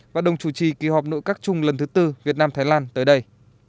và đồng chủ trì kỳ họp nội các chung lần thứ tư việt nam thái lan tới đây